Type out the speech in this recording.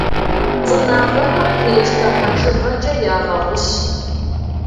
Цӏынагъэхэр гречкэ хьэжыгъэкӏэ ягъэгъущ.